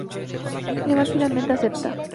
Evan finalmente acepta.